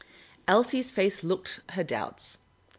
Elsie's face looked her doubts.